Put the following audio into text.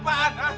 masud lu apaan